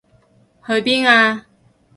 去邊啊？